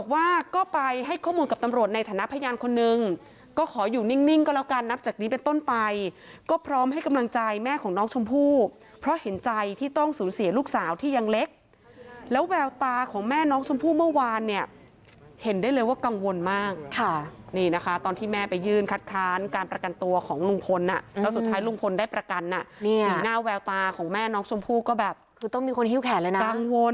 ว่าก็ไปให้ข้อมูลกับตำรวจในฐานะพยานคนนึงก็ขออยู่นิ่งก็แล้วกันนับจากนี้เป็นต้นไปก็พร้อมให้กำลังใจแม่ของน้องชมพูเพราะเห็นใจที่ต้องสูญเสียลูกสาวที่ยังเล็กแล้วแววตาของแม่น้องชมพูเมื่อวานเนี้ยเห็นได้เลยว่ากังวลมากค่ะนี่นะคะตอนที่แม่ไปยื่นคัดค้านการประกันตัวของลุงพลน่ะแล้ว